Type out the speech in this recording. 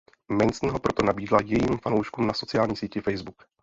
Manson ho proto nabídla jejím fanouškům na sociální síti Facebook.